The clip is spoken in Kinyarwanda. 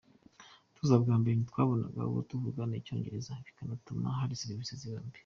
Tuza bwa mbere ntitwabonaga uwo tuvugana icyongereza bikanatuma hari serivisi ziba mbi.